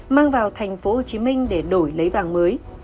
mang vào tp hcm để đổi lấy vàng mới